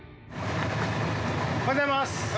おはようございます。